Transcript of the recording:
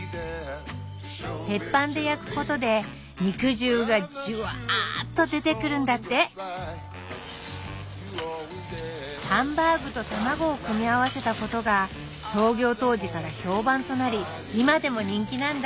鉄板で焼くことで肉汁がじゅわっと出てくるんだってハンバーグと卵を組み合わせたことが創業当時から評判となり今でも人気なんだ